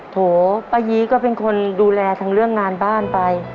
โถป้ายีก็เป็นคนดูแลทั้งเรื่องงานบ้านไป